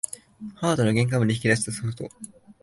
ハードの限界まで引き出したソフト